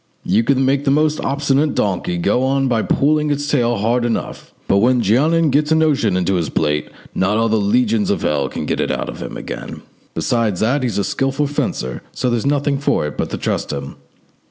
You can make the most obstinate donkey go on by pulling its tail hard enough, but when Jeannin gets a notion into his pate, not all the legions of hell can get it out again. Besides that, he's a skilful fencer, so there's nothing for it but to trust him."